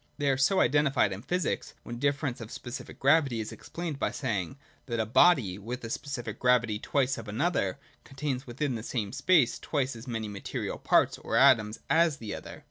They are so identified in physics, when differ ence of specific gravity is explained by saying, that a body, with a specific gravity twice that of another, contains within the same space twice as many material parts (or atoms) as the other.